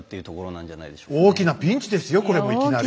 大きなピンチですよこれもいきなり。